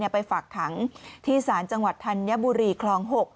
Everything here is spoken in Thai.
ไปฝากขังที่ศาลจังหวัดธัญบุรีคลอง๖